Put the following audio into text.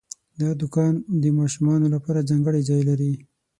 دا دوکان د ماشومانو لپاره ځانګړی ځای لري.